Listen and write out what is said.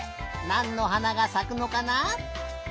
なんのはながさくのかな？